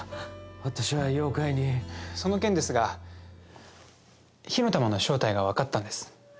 私は妖怪にその件ですが火の玉の正体が分かったんです